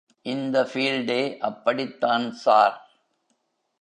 இந்த பீல்டே அப்படித்தான் ஸார்.